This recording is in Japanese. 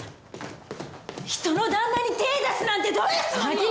人の旦那に手を出すなんてどういうつもり？